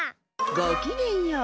ごきげんよう。